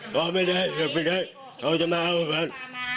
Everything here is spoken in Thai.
เขาไม่ได้เขาไม่ได้เขาจะมาเอาบอน